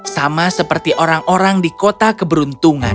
sama seperti orang orang di kota keberuntungan